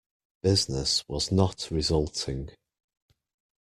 Business was not resulting.